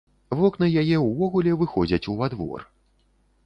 Вокны яе ўвогуле выходзяць ува двор.